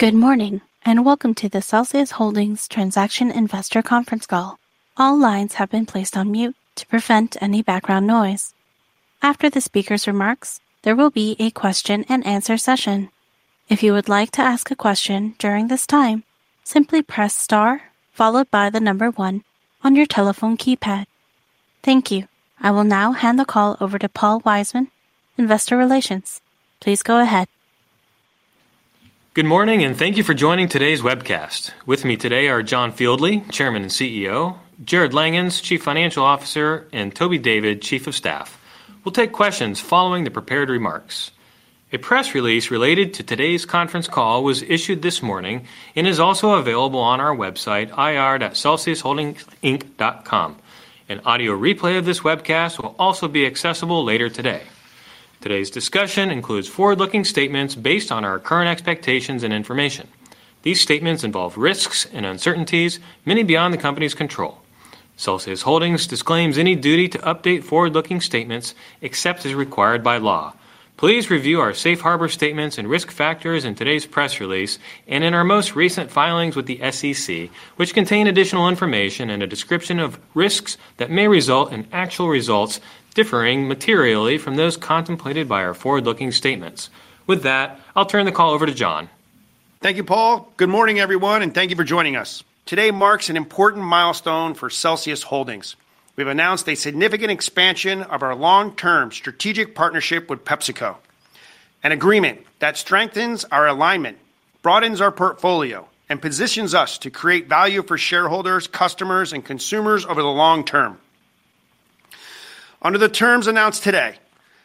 Good morning and welcome to the Celsius Holdings Transaction Investor Conference Call. All lines have been placed on mute to prevent any background noise. After the speaker's remarks, there will be a question and answer session. If you would like to ask a question during this time, simply press Star followed by the number one on your telephone keypad. Thank you. I will now hand the call over to Paul Wiseman, Investor Relations. Please go ahead. Good morning and thank you for joining today's webcast. With me today are John Fieldly, Chairman and CEO, Jarrod Langhans, Chief Financial Officer, and Toby David, Chief of Staff. We'll take questions following the prepared remarks. A press release related to today's conference call was issued this morning and is also available on our website, ir.celsiusholdingsinc.com. An audio replay of this webcast will also be accessible later today. Today's discussion includes forward-looking statements based on our current expectations and information. These statements involve risks and uncertainties, many beyond the company's control. Celsius Holdings disclaims any duty to update forward-looking statements except as required by law. Please review our Safe Harbor statements and risk factors in today's press release and in our most recent filings with the SEC, which contain additional information and a description of risks that may result in actual results differing materially from those contemplated by our forward-looking statements. With that, I'll turn the call over to John. Thank you, Paul. Good morning, everyone, and thank you for joining us. Today marks an important milestone for Celsius Holdings. We've announced a significant expansion of our long-term strategic partnership with PepsiCo, an agreement that strengthens our alignment, broadens our portfolio, and positions us to create value for shareholders, customers, and consumers over the long term. Under the terms announced today,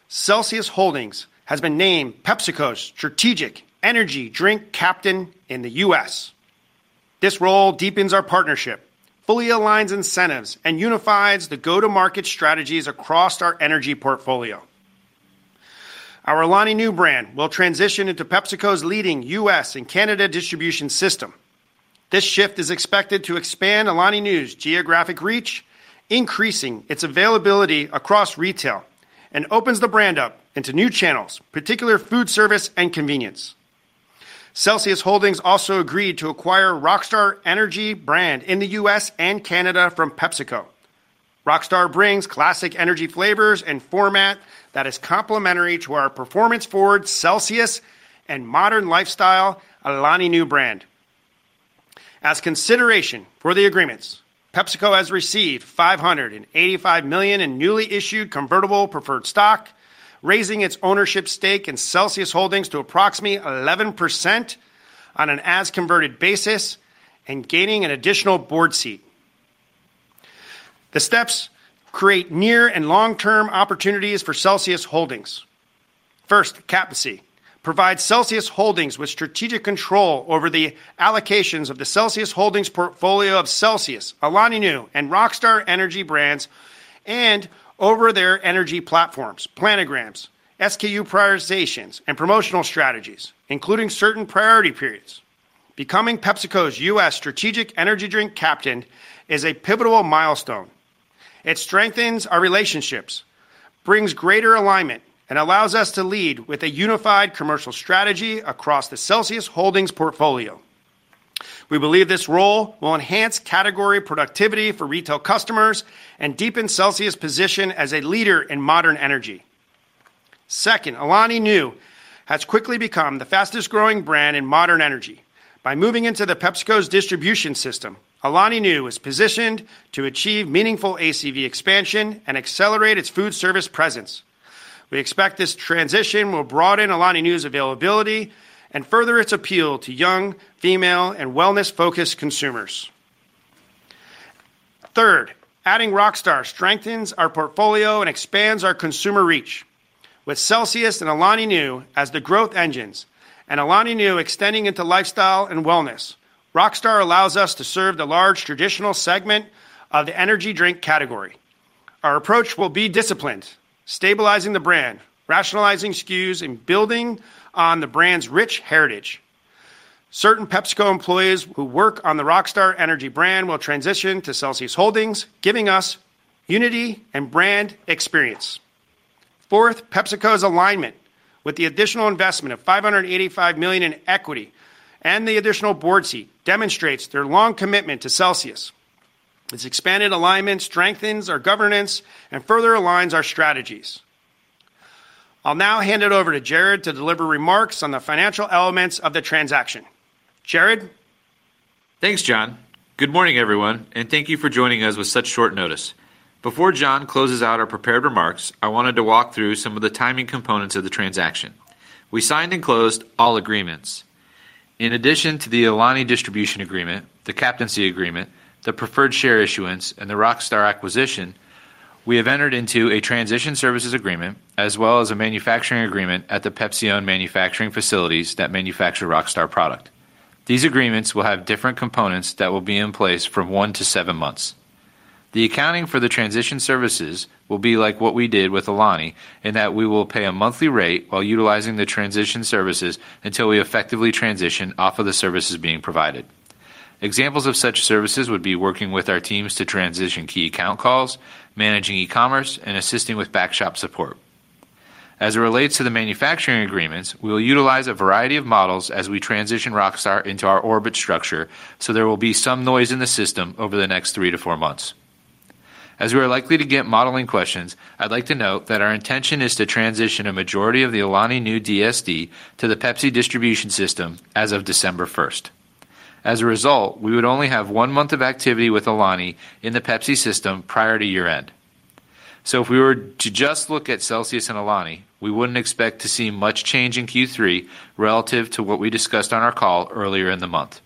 Celsius Holdings has been named PepsiCo's strategic energy drink captain in the U.S. This role deepens our partnership, fully aligns incentives, and unifies the go-to-market strategies across our energy portfolio. Our Alani Nu brand will transition into PepsiCo's leading U.S. and Canada distribution system. This shift is expected to expand Alani Nu's geographic reach, increasing its availability across retail, and opens the brand up into new channels, particularly food service and convenience. Celsius Holdings also agreed to acquire Rockstar Energy brand in the U.S. and Canada from PepsiCo. Rockstar brings classic energy flavors and format that is complementary to our performance-forward Celsius and modern lifestyle Alani Nu brand. As consideration for the agreements, PepsiCo has received $585 million in newly issued convertible preferred stock, raising its ownership stake in Celsius Holdings to approximately 11% on an as-converted basis and gaining an additional board seat. The steps create near and long-term opportunities for Celsius Holdings. First, it provides Celsius Holdings with strategic control over the allocations of the Celsius Holdings portfolio of Celsius, Alani Nu, and Rockstar Energy brands, and over their energy platforms, planograms, SKU prioritizations, and promotional strategies, including certain priority periods. Becoming PepsiCo's U.S. strategic energy drink captain is a pivotal milestone. It strengthens our relationships, brings greater alignment, and allows us to lead with a unified commercial strategy across the Celsius Holdings portfolio. We believe this role will enhance category productivity for retail customers and deepen Celsius' position as a leader in modern energy. Second, Alani Nu has quickly become the fastest-growing brand in modern energy. By moving into PepsiCo's distribution system, Alani Nu is positioned to achieve meaningful ACV expansion and accelerate its food service presence. We expect this transition will broaden Alani Nu's availability and further its appeal to young, female, and wellness-focused consumers. Third, adding Rockstar strengthens our portfolio and expands our consumer reach. With Celsius and Alani Nu as the growth engines and Alani Nu extending into lifestyle and wellness, Rockstar allows us to serve the large traditional segment of the energy drink category. Our approach will be disciplined, stabilizing the brand, rationalizing SKUs, and building on the brand's rich heritage. Certain PepsiCo employees who work on the Rockstar Energy brand will transition to Celsius Holdings, giving us unity and brand experience. Fourth, PepsiCo's alignment with the additional investment of $585 million in equity and the additional board seat demonstrates their long commitment to Celsius. This expanded alignment strengthens our governance and further aligns our strategies. I'll now hand it over to Jarrod to deliver remarks on the financial elements of the transaction. Jarrod? Thanks, John. Good morning, everyone, and thank you for joining us with such short notice. Before John closes out our prepared remarks, I wanted to walk through some of the timing components of the transaction. We signed and closed all agreements. In addition to the Alani distribution agreement, the captaincy agreement, the preferred share issuance, and the Rockstar acquisition, we have entered into a transition services agreement as well as a manufacturing agreement at the PepsiCo manufacturing facilities that manufacture Rockstar Energy product. These agreements will have different components that will be in place from one to seven months. The accounting for the transition services will be like what we did with Alani in that we will pay a monthly rate while utilizing the transition services until we effectively transition off of the services being provided. Examples of such services would be working with our teams to transition key account calls, managing e-commerce, and assisting with back shop support. As it relates to the manufacturing agreements, we will utilize a variety of models as we transition Rockstar into our Orbit structure, so there will be some noise in the system over the next three to four months. As we are likely to get modeling questions, I'd like to note that our intention is to transition a majority of the Alani Nu DSD to the Pepsi distribution system as of December 1st. As a result, we would only have one month of activity with Alani in the Pepsi system prior to year-end. If we were to just look at Celsius and Alani, we wouldn't expect to see much change in Q3 relative to what we discussed on our call earlier in the month.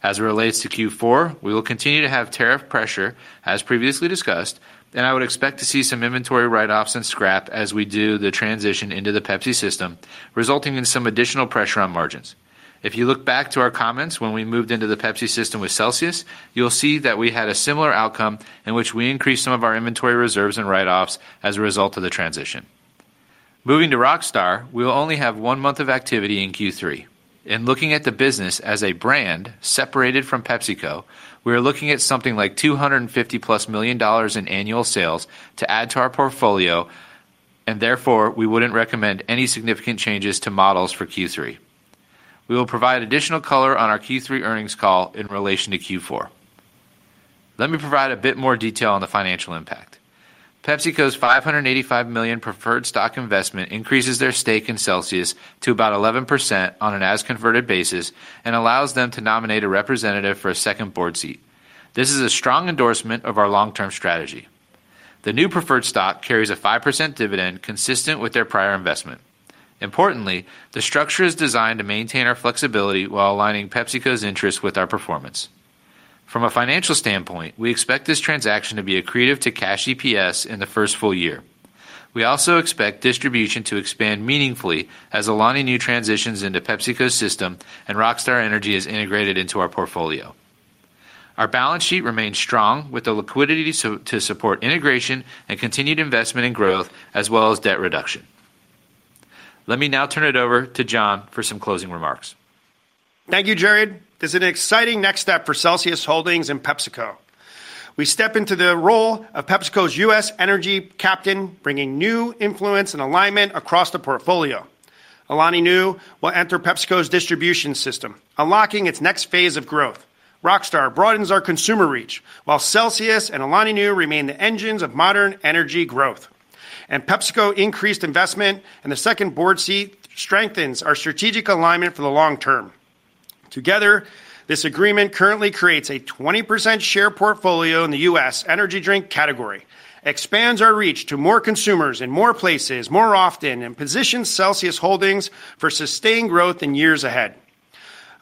As it relates to Q4, we will continue to have tariff pressure, as previously discussed, and I would expect to see some inventory write-offs and scrap as we do the transition into the Pepsi system, resulting in some additional pressure on margins. If you look back to our comments when we moved into the Pepsi system with Celsius, you'll see that we had a similar outcome in which we increased some of our inventory reserves and write-offs as a result of the transition. Moving to Rockstar, we will only have one month of activity in Q3. In looking at the business as a brand separated from PepsiCo, we are looking at something like $250 million+ in annual sales to add to our portfolio, and therefore we wouldn't recommend any significant changes to models for Q3. We will provide additional color on our Q3 earnings call in relation to Q4. Let me provide a bit more detail on the financial impact. PepsiCo's $585 million preferred stock investment increases their stake in Celsius to about 11% on an as-converted basis and allows them to nominate a representative for a second board seat. This is a strong endorsement of our long-term strategy. The new preferred stock carries a 5% dividend consistent with their prior investment. Importantly, the structure is designed to maintain our flexibility while aligning PepsiCo's interests with our performance. From a financial standpoint, we expect this transaction to be accretive to cash EPS in the first full year. We also expect distribution to expand meaningfully as Alani Nu transitions into PepsiCo's system and Rockstar Energy is integrated into our portfolio. Our balance sheet remains strong with the liquidity to support integration and continued investment in growth, as well as debt reduction. Let me now turn it over to John for some closing remarks. Thank you, Jarrod. This is an exciting next step for Celsius Holdings and PepsiCo. We step into the role of PepsiCo's U.S. energy captain, bringing new influence and alignment across the portfolio. Alani Nu will enter PepsiCo's distribution system, unlocking its next phase of growth. Rockstar broadens our consumer reach, while Celsius and Alani Nu remain the engines of modern energy growth. PepsiCo increased investment in the second board seat strengthens our strategic alignment for the long term. Together, this agreement currently creates a 20% share portfolio in the U.S. energy drink category, expands our reach to more consumers in more places more often, and positions Celsius Holdings for sustained growth in years ahead.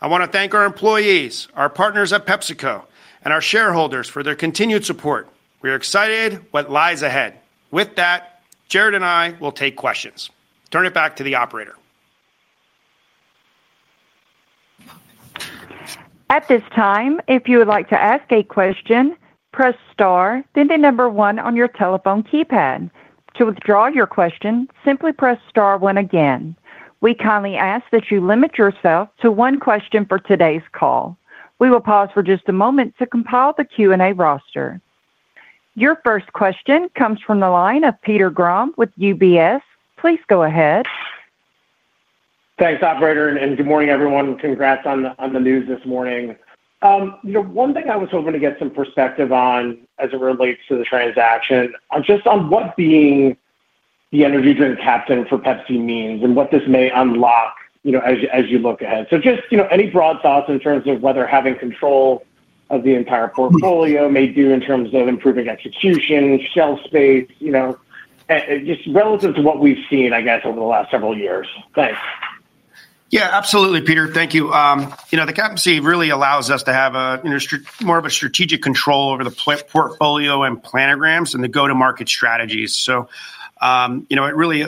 I want to thank our employees, our partners at PepsiCo, and our shareholders for their continued support. We are excited about what lies ahead. With that, Jarrod and I will take questions. Turn it back to the operator. At this time, if you would like to ask a question, press Star, then the number one on your telephone keypad. To withdraw your question, simply press Star, one again. We kindly ask that you limit yourself to one question for today's call. We will pause for just a moment to compile the Q&A roster. Your first question comes from the line of Peter Grom with UBS. Please go ahead. Thanks, operator, and good morning, everyone. Congrats on the news this morning. One thing I was hoping to get some perspective on as it relates to the transaction, just on what being the strategic energy drink captain for Pepsi means and what this may unlock as you look ahead. Any broad thoughts in terms of whether having control of the entire portfolio may do in terms of improving execution, shelf space, just relative to what we've seen over the last several years. Thanks. Yeah, absolutely, Peter. Thank you. The captaincy really allows us to have more of a strategic control over the portfolio and planograms and the go-to-market strategies. It really, really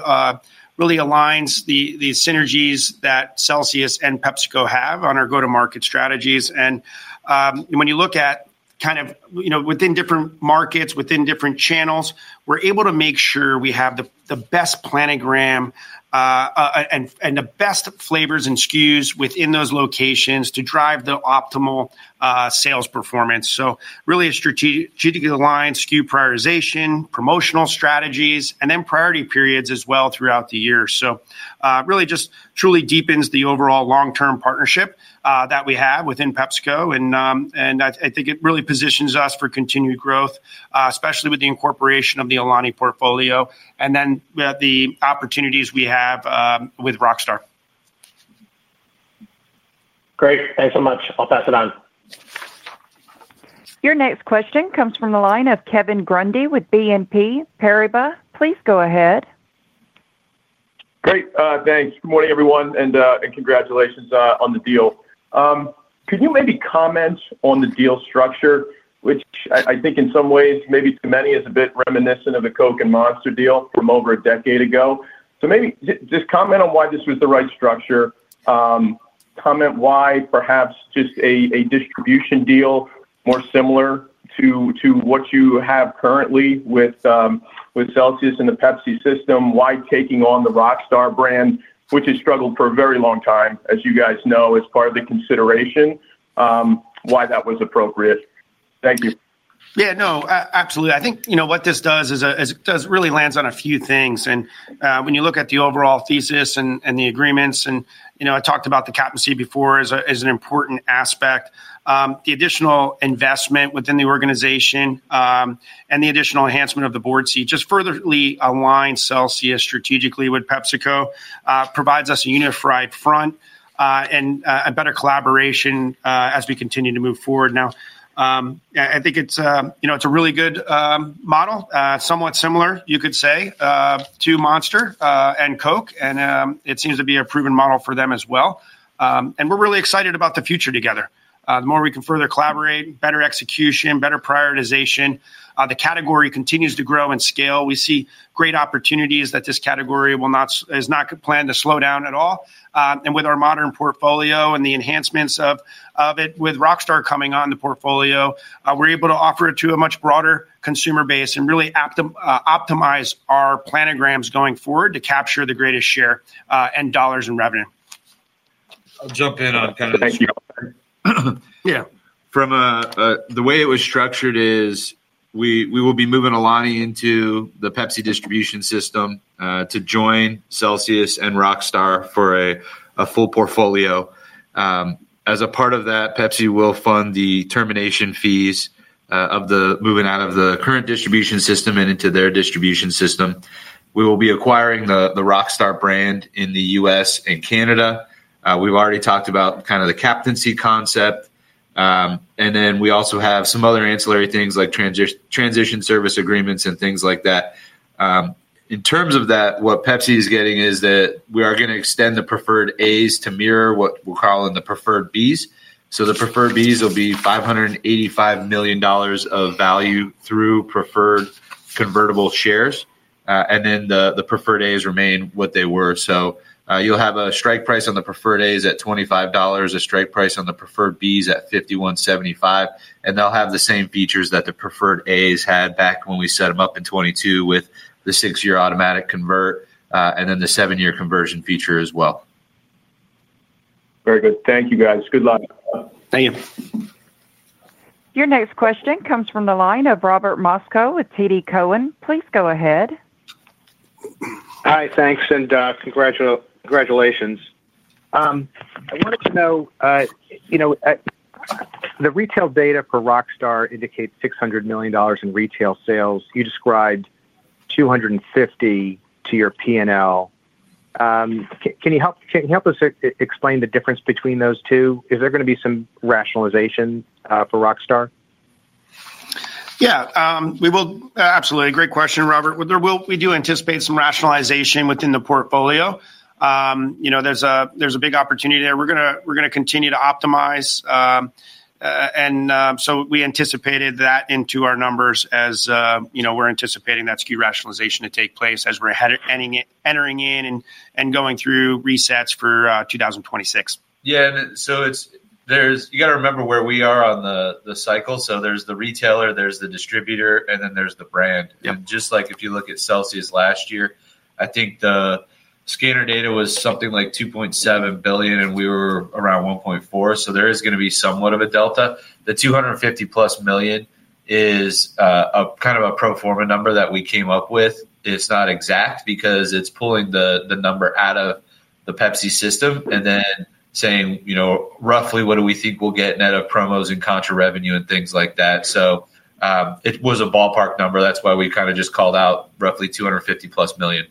aligns the synergies that Celsius and PepsiCo have on our go-to-market strategies. When you look at kind of within different markets, within different channels, we're able to make sure we have the best planogram and the best flavors and SKUs within those locations to drive the optimal sales performance. A strategically aligned SKU prioritization, promotional strategies, and then priority periods as well throughout the year truly deepens the overall long-term partnership that we have within PepsiCo. I think it really positions us for continued growth, especially with the incorporation of the Alani portfolio and then the opportunities we have with Rockstar. Great. Thanks so much. I'll pass it on. Your next question comes from the line of Kevin Grundy with BNP Paribas. Please go ahead. Great. Thanks. Good morning, everyone, and congratulations on the deal. Could you maybe comment on the deal structure, which I think in some ways maybe to many is a bit reminiscent of the Coke and Monster deal from over a decade ago? Maybe just comment on why this was the right structure. Comment why perhaps just a distribution deal more similar to what you have currently with Celsius and the Pepsi system, why taking on the Rockstar brand, which has struggled for a very long time, as you guys know, as part of the consideration, why that was appropriate. Thank you. Yeah, no, absolutely. I think what this does is it really lands on a few things. When you look at the overall thesis and the agreements, I talked about the captaincy before as an important aspect, the additional investment within the organization and the additional enhancement of the board seat just further aligns Celsius strategically with PepsiCo, provides us a unified front and a better collaboration as we continue to move forward. I think it's a really good model, somewhat similar, you could say, to Monster and Coke, and it seems to be a proven model for them as well. We're really excited about the future together. The more we can further collaborate, better execution, better prioritization, the category continues to grow in scale. We see great opportunities that this category is not planned to slow down at all. With our modern portfolio and the enhancements of it with Rockstar coming on the portfolio, we're able to offer it to a much broader consumer base and really optimize our planograms going forward to capture the greatest share and dollars in revenue. I'll jump in on the queue Thank you. Yeah. From the way it was structured is we will be moving Alani into the Pepsi distribution system to join Celsius and Rockstar for a full portfolio. As a part of that, Pepsi will fund the termination fees of the moving out of the current distribution system and into their distribution system. We will be acquiring the Rockstar brand in the U.S. and Canada. We've already talked about kind of the captaincy concept. We also have some other ancillary things like transition services and manufacturing agreements and things like that. In terms of that, what Pepsi is getting is that we are going to extend the preferred A's to mirror what we're calling the preferred B's. The preferred B's will be $585 million of value through convertible preferred stock. The preferred A's remain what they were. You'll have a strike price on the preferred A's at $25, a strike price on the preferred B's at $51.75. They'll have the same features that the preferred A's had back when we set them up in 2022 with the six-year automatic convert and then the seven-year conversion feature as well. Very good. Thank you, guys. Good luck. Thank you. Your next question comes from the line of Robert Moskow with TD Cowen. Please go ahead. Hi, thanks, and congratulations. I wanted to know, you know, the retail data for Rockstar Energy indicates $600 million in retail sales. You described $250 million to your P&L. Can you help us explain the difference between those two? Is there going to be some rationalization for Rockstar? Absolutely. Great question, Robert. We do anticipate some rationalization within the portfolio. There's a big opportunity there. We're going to continue to optimize. We anticipated that into our numbers as we're anticipating that SKU rationalization to take place as we're entering in and going through resets for 2026. Yeah, you got to remember where we are on the cycle. There's the retailer, there's the distributor, and then there's the brand. Just like if you look at Celsius last year, I think the scanner data was something like $2.7 billion, and we were around $1.4 billion. There is going to be somewhat of a delta. The $250+ million is kind of a pro forma number that we came up with. It's not exact because it's pulling the number out of the Pepsi system and then saying, you know, roughly what do we think we'll get in net promos and contra revenue and things like that. It was a ballpark number. That's why we just called out roughly $250+ million.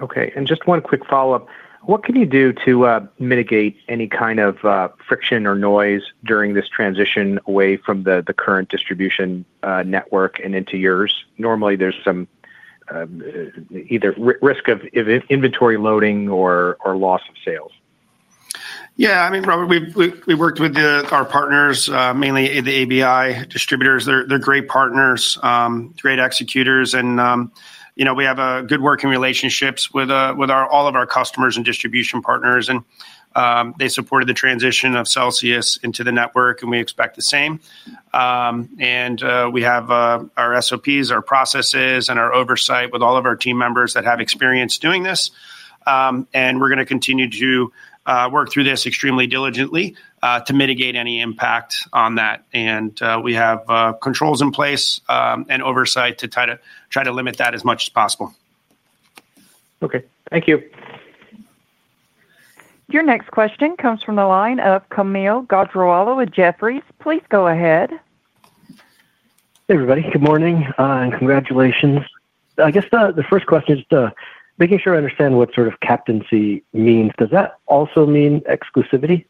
Okay, and just one quick follow-up. What can you do to mitigate any kind of friction or noise during this transition away from the current distribution network and into yours? Normally, there's some either risk of inventory loading or loss of sales. Yeah, I mean, Robert, we worked with our partners, mainly the ABI distributors. They're great partners, great executors, and we have good working relationships with all of our customers and distribution partners, and they supported the transition of Celsius into the network, and we expect the same. We have our SOPs, our processes, and our oversight with all of our team members that have experience doing this. We're going to continue to work through this extremely diligently to mitigate any impact on that. We have controls in place and oversight to try to limit that as much as possible. Okay, thank you. Your next question comes from the line of Camille Godrualo with Jefferies. Please go ahead. Hey, everybody. Good morning and congratulations. I guess the first question is making sure I understand what sort of captaincy means. Does that also mean exclusivity?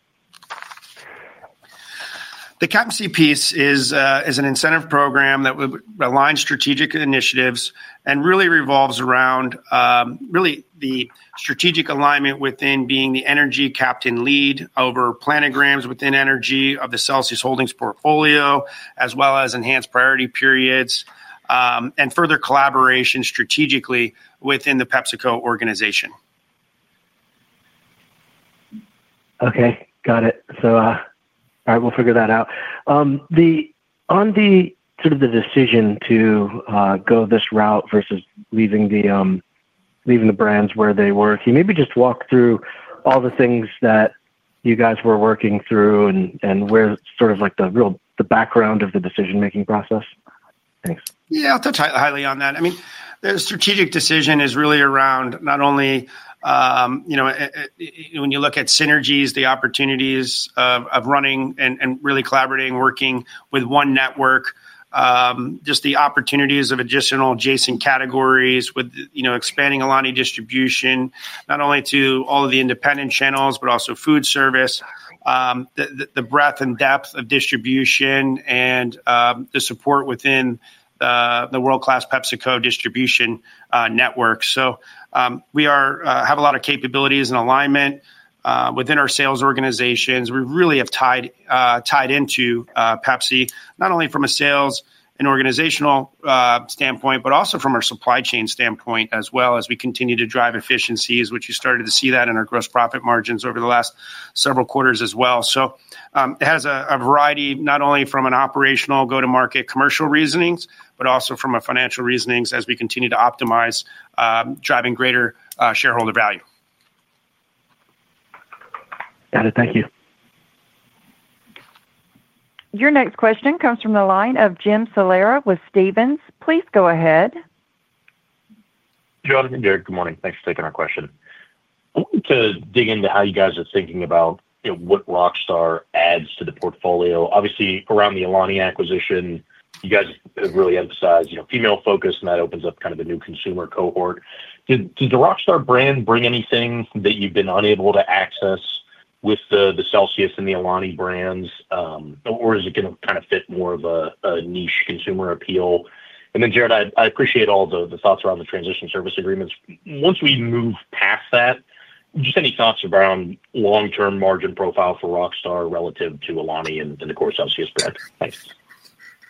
The captaincy piece is an incentive program that aligns strategic initiatives and really revolves around the strategic alignment within being the strategic energy drink captain lead over planograms within energy of the Celsius Holdings portfolio, as well as enhanced priority periods and further collaboration strategically within the PepsiCo organization. Okay, got it. All right, we'll figure that out. On the sort of the decision to go this route versus leaving the brands where they were, can you maybe just walk through all the things that you guys were working through and where the real background of the decision-making process is? Thanks. Yeah, I'll touch highly on that. I mean, the strategic decision is really around not only, you know, when you look at synergies, the opportunities of running and really collaborating, working with one network, just the opportunities of additional adjacent categories with, you know, expanding Alani distribution, not only to all of the independent channels, but also food service, the breadth and depth of distribution, and the support within the world-class PepsiCo distribution network. We have a lot of capabilities and alignment within our sales organizations. We really have tied into Pepsi, not only from a sales and organizational standpoint, but also from our supply chain standpoint as well as we continue to drive efficiencies, which you started to see that in our gross profit margins over the last several quarters as well. It has a variety, not only from an operational go-to-market commercial reasonings, but also from a financial reasoning as we continue to optimize, driving greater shareholder value. Got it. Thank you. Your next question comes from the line of Jim Salera with Stephens. Please go ahead. Jonathan and Jarrod, good morning. Thanks for taking our question. I want to dig into how you guys are thinking about what Rockstar adds to the portfolio. Obviously, around the Alani Nu acquisition, you guys have really emphasized, you know, female focus, and that opens up kind of the new consumer cohort. Did the Rockstar brand bring anything that you've been unable to access with the Ceslus and the Alani brands, or is it going to kind of fit more of a niche consumer appeal? Jarrod, I appreciate all the thoughts around the transition services and manufacturing agreements. Once we move past that, just any thoughts around long-term margin profile for Rockstar Energy relative to Alani Nu and the core Celsius brand?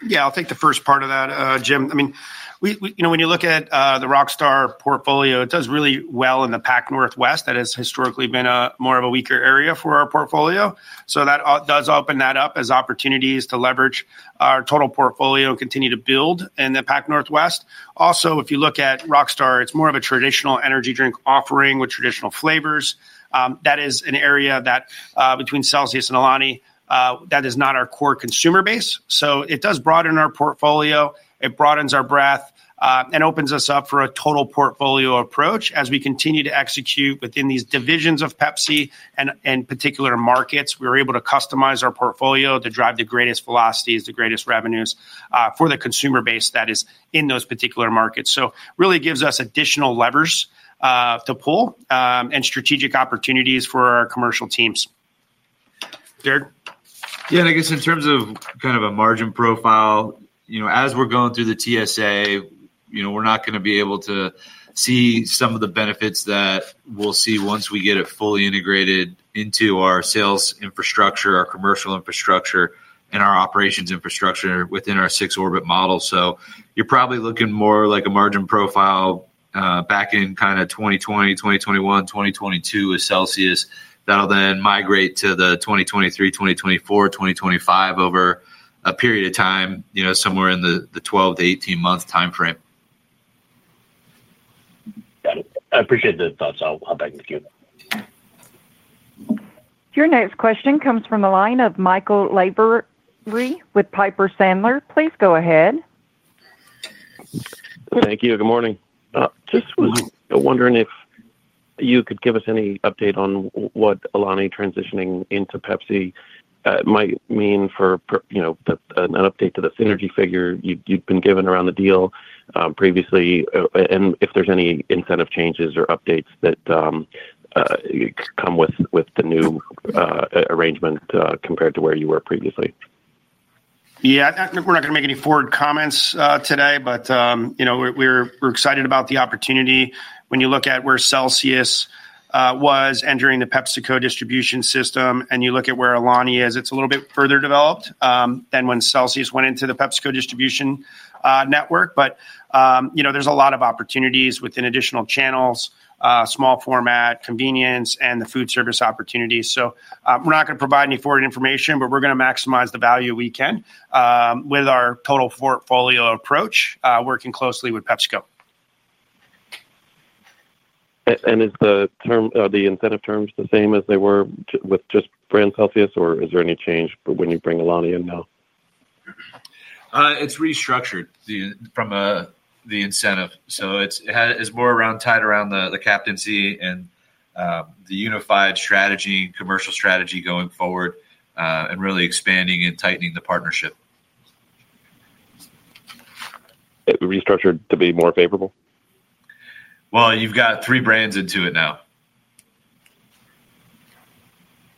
Yeah, I'll take the part of that, Jim. I mean, when you look at the Rockstar portfolio, it does really well in the Pac Northwest. That has historically been more of a weaker area for our portfolio. That does open that up as opportunities to leverage our total portfolio and continue to build in the Pac Northwest. Also, if you look at Rockstar, it's more of a traditional energy drink offering with traditional flavors. That is an area that, between Celsius and Alani, that is not our core consumer base. It does broaden our portfolio. It broadens our breadth and opens us up for a total portfolio approach as we continue to execute within these divisions of Pepsi and particular markets. We were able to customize our portfolio to drive the greatest velocities, the greatest revenues for the consumer base that is in those particular markets. It really gives us additional levers to pull and strategic opportunities for our commercial teams. Jarrod? Yeah, I guess in terms of kind of a margin profile, as we're going through the TSA, we're not going to be able to see some of the benefits that we'll see once we get it fully integrated into our sales infrastructure, our commercial infrastructure, and our operations infrastructure within our six-orbit model. You're probably looking more like a margin profile back in kind of 2020, 2021, 2022 with Celsius that'll then migrate to the 2023, 2024, 2025 over a period of time, somewhere in the 12-18 month timeframe. I appreciate the thoughts. I'll come back to you. Your next question comes from the line of Michael Labory with Piper Sandler. Please go ahead. Thank you. Good morning. Just was wondering if you could give us any update on what Alani transitioning into Pepsi might mean for, you know, an update to the synergy figure you'd been given around the deal previously, and if there's any incentive changes or updates that come with the new arrangement compared to where you were previously. Yeah, I think we're not going to make any forward comments today, but you know, we're excited about the opportunity. When you look at where Celsius was entering the PepsiCo distribution system and you look at where Alani Nu is, it's a little bit further developed than when Celsius went into the PepsiCo distribution network. You know, there's a lot of opportunities within additional channels, small format, convenience, and the food service opportunities. We're not going to provide any forward information, but we're going to maximize the value we can with our total portfolio approach, working closely with PepsiCo. Is the incentive terms the same as they were with just brand Celsius, or is there any change when you bring Alan in now? It's restructured from the incentive, so it's more tied around the captaincy and the unified strategy, commercial strategy going forward, and really expanding and tightening the partnership. It restructured to be more favorable? You've got three brands into it now.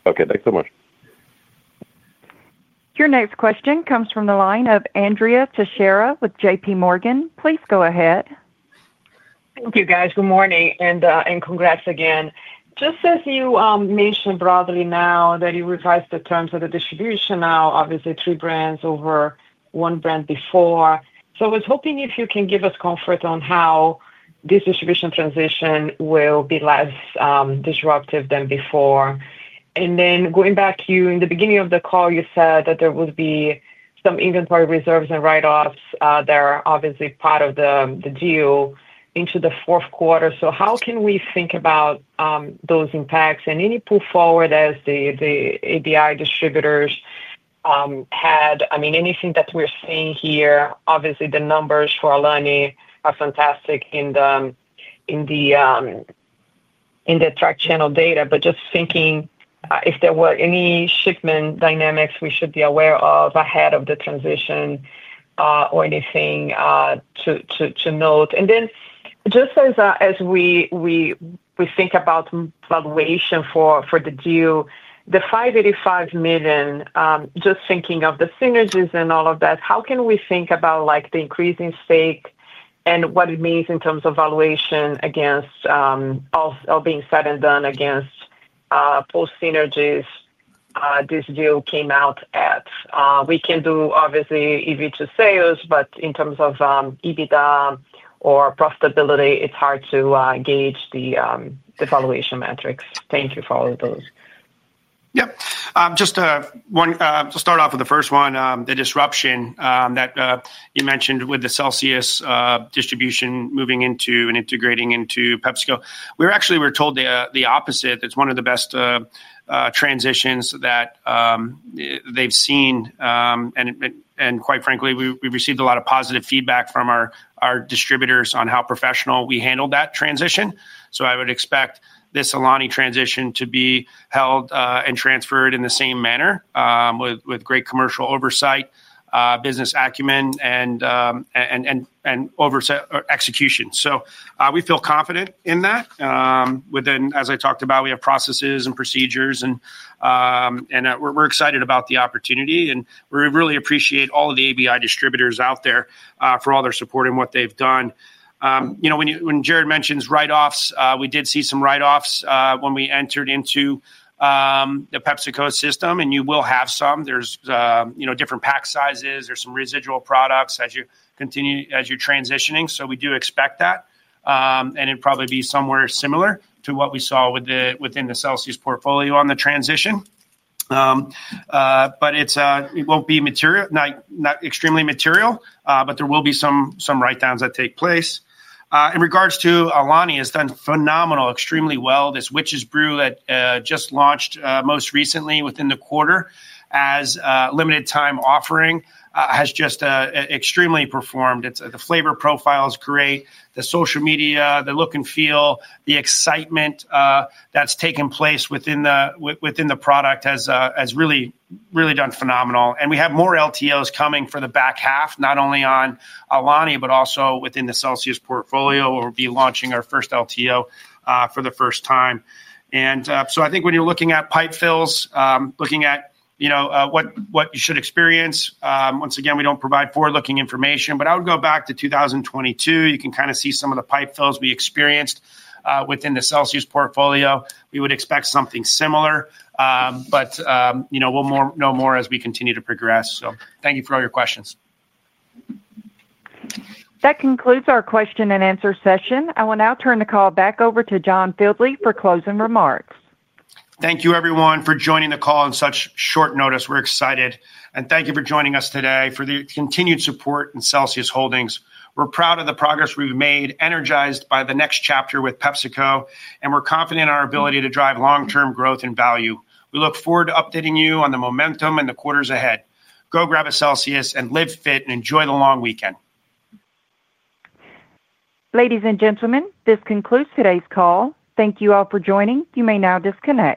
Okay, thanks so much. Your next question comes from the line of Andrea Teixeira with JPMorgan. Please go ahead. Thank you, guys. Good morning and congrats again. Just as you mentioned broadly, now that you revised the terms of the distribution, now obviously three brands over one brand before. I was hoping if you can give us comfort on how this distribution transition will be less disruptive than before. Going back, in the beginning of the call, you said that there would be some inventory reserves and write-offs that are obviously part of the deal into the fourth quarter. How can we think about those impacts and any pull forward as the ABI distributors had, I mean, anything that we're seeing here? Obviously, the numbers for Alani are fantastic in the track channel data, but just thinking if there were any shipment dynamics we should be aware of ahead of the transition or anything to note. Just as we think about valuation for the deal, the $585 million, just thinking of the synergies and all of that, how can we think about the increasing stake and what it means in terms of valuation against all being said and done against post synergies this deal came out at? We can do obviously EBIT sales, but in terms of EBITDA or profitability, it's hard to gauge the valuation metrics. Thank you for all of those. Yeah. Just to start off with the first one, the disruption that you mentioned with the Celsius distribution moving into and integrating into PepsiCo. We actually were told the opposite. It's one of the best transitions that they've seen. Quite frankly, we've received a lot of positive feedback from our distributors on how professional we handled that transition. I would expect this Alani transition to be held and transferred in the same manner with great commercial oversight, business acumen, and execution. We feel confident in that. As I talked about, we have processes and procedures, and we're excited about the opportunity. We really appreciate all of the ABI distributors out there for all their support and what they've done. When Jarrod mentions write-offs, we did see some inventory write-offs when we entered into the PepsiCo system, and you will have some. There are different pack sizes. There are some residual products as you continue as you're transitioning. We do expect that, and it'll probably be somewhere similar to what we saw within the Celsius portfolio on the transition. It won't be material, not extremely material, but there will be some write-downs that take place. In regards to Alani, it's done phenomenal, extremely well. This Witch's Brew that just launched most recently within the quarter as a limited-time offering has just extremely performed. The flavor profile is great. The social media, the look and feel, the excitement that's taken place within the product has really, really done phenomenal. We have more LTOs coming for the back half, not only on Alani, but also within the Celsius portfolio, where we'll be launching our first LTO for the first time. I think when you're looking at pipe fills, looking at what you should experience, once again, we don't provide forward-looking information, but I would go back to 2022. You can kind of see some of the pipe fills we experienced within the Celsius portfolio. We would expect something similar, but we'll know more as we continue to progress. Thank you for all your questions. That concludes our question-and-answer session. I will now turn the call back over to John Fieldly for closing remarks. Thank you, everyone, for joining the call on such short notice. We're excited, and thank you for joining us today for the continued support in Celsius Holdings. We're proud of the progress we've made, energized by the next chapter with PepsiCo, and we're confident in our ability to drive long-term growth and value. We look forward to updating you on the momentum and the quarters ahead. Go grab a CELSIUS and live fit and enjoy the long weekend. Ladies and gentlemen, this concludes today's call. Thank you all for joining. You may now disconnect.